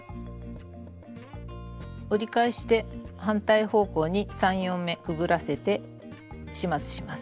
折り返して反対方向に３４目くぐらせて始末します。